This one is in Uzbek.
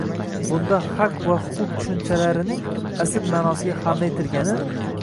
Bunda «haq» va «huquq» tushunchalarining asl ma’nosiga hamla etilgani